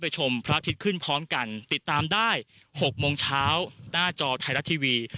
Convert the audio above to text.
ชมพระอาทิตย์ขึ้นพร้อมกันติดตามได้๖โมงเช้าหน้าจอไทยรัฐทีวี